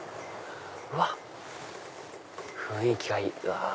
うわっ雰囲気がいい。